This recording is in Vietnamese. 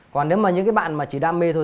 còn nếu mà những cái bạn mà chỉ đam mê thôi